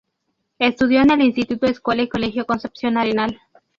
Estudió en el Instituto Escuela y Colegio Concepción Arenal.